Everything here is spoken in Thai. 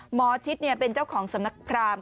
หมอชิตเนี่ยเป็นเจ้าของสำนักพราหมณ์